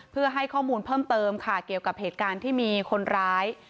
เพื่อให้ข้อมูลเพิ่มเติมค่ะเกี่ยวกับเหตุการณ์ที่มีคนร้าย